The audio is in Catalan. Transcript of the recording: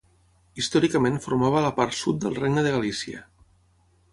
Històricament formava la part sud del Regne de Galícia.